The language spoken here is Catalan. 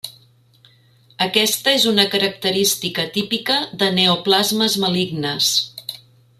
Aquesta és una característica típica de neoplasmes malignes.